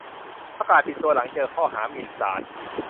ประกาศปิดตัว หลังเจอข้อหา "หมิ่นศาล"